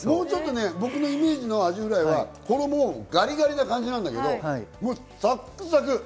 僕のイメージのアジフライは衣、ガリガリな感じなんだけど、サックサク！